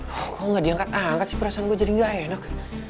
kok nggak diangkat angkat sih perasaan gue jadi nggak enak